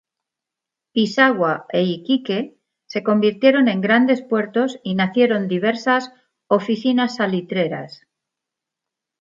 Pisagua e Iquique se convirtieron en grandes puertos y nacieron diversas "oficinas salitreras".